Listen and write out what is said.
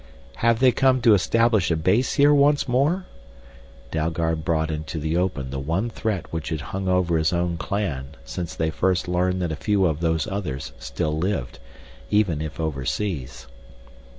"Have they come to establish a base here once more?" Dalgard brought into the open the one threat which had hung over his own clan since they first learned that a few of Those Others still lived even if overseas.